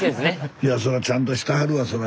いやそらちゃんとしてはるわそら。